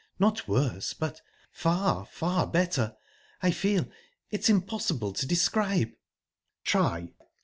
Not worse, but, far, far better! I feel...it's impossible to describe..." "Try!"